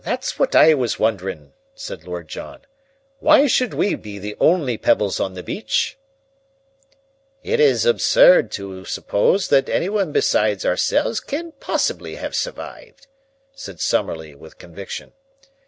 "That's what I was wonderin'," said Lord John. "Why should we be the only pebbles on the beach?" "It is absurd to suppose that anyone besides ourselves can possibly have survived," said Summerlee with conviction.